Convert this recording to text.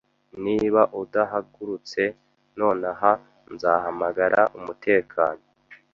Niba udahagurutse nonaha, nzahamagara umutekano.